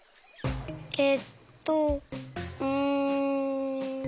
えっとうん。